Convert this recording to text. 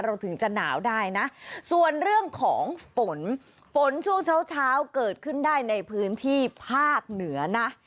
ถึงจะหนาวได้นะส่วนเรื่องของฝนฝนช่วงเช้าเช้าเกิดขึ้นได้ในพื้นที่ภาคเหนือนะ